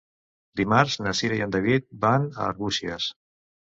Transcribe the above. Dimarts na Cira i en David van a Arbúcies.